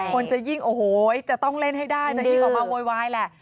คนจะต้องเล่นให้ได้จะยิ่งออกมาโว๊ยวายแหละ